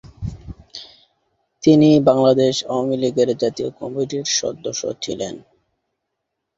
তিনি বাংলাদেশ আওয়ামী লীগের জাতীয় কমিটির সদস্য ছিলেন।